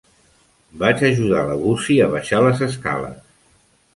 Vaig ajudar la Gussie a baixar les escales.